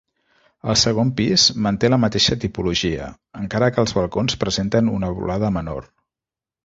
El segon pis, manté la mateixa tipologia, encara que els balcons presenten una volada menor.